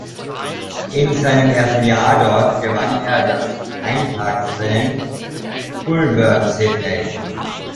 In seinem ersten Jahr dort gewann er das Eintagesrennen Goulburn-Sydney.